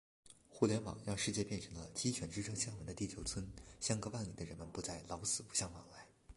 互联网让世界变成了“鸡犬之声相闻”的地球村，相隔万里的人们不再“老死不相往来”。